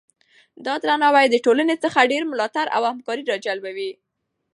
دا درناوی د ټولنې څخه ډیر ملاتړ او همکاري راجلبوي.